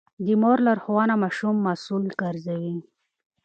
د مور لارښوونه ماشوم مسوول ګرځوي.